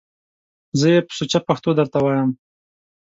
زه یې په سوچه پښتو درته وایم!